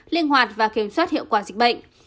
linh hoạt và kiểm soát hiệu quả dịch bệnh